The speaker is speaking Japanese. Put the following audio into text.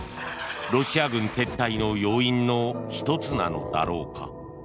ロシア軍撤退の要因の１つなのだろうか。